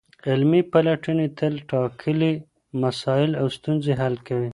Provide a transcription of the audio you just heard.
علمي پلټني تل ټاکلي مسایل او ستونزي حل کوي.